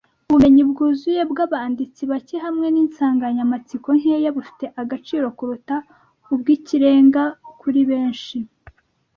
Ubumenyi bwuzuye bwabanditsi bake hamwe ninsanganyamatsiko nkeya bufite agaciro kuruta ubw'ikirenga kuri benshi